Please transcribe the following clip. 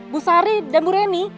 bu sari dan bu reni